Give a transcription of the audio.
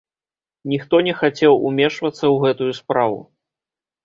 Ніхто не хацеў умешвацца ў гэтую справу.